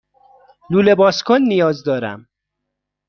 لوله بازکن نیاز دارم.